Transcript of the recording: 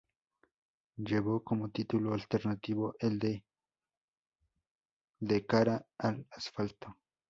Llevó como título alternativo el de "De cara al asfalto".